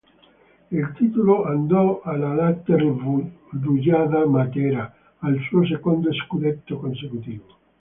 Il titolo andò alla Latte Rugiada Matera, al suo secondo scudetto consecutivo.